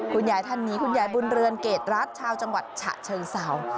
คุณยายท่านนี้คุณยายบุญเรือนเกรดรัฐชาวจังหวัดฉะเชิงเศร้า